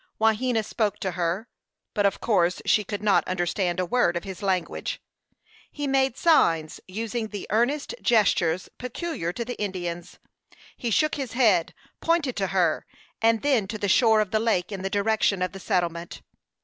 Wahena spoke to her, but of course she could not understand a word of his language. He made signs, using the earnest gestures peculiar to the Indians. He shook his head, pointed to her, and then to the shore of the lake in the direction of the settlement.